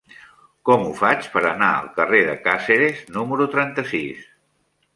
Com ho faig per anar al carrer de Càceres número trenta-sis?